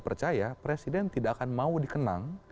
percaya presiden tidak akan mau dikenang